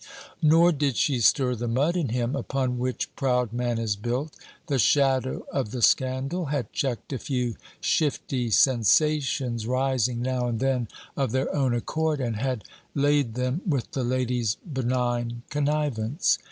Nor did she stir the mud in him upon which proud man is built. The shadow of the scandal had checked a few shifty sensations rising now and then of their own accord, and had laid them, with the lady's benign connivance.